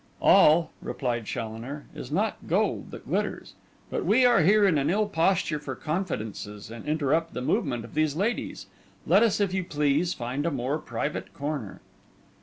'All,' replied Challoner, 'is not gold that glitters. But we are here in an ill posture for confidences, and interrupt the movement of these ladies. Let us, if you please, find a more private corner.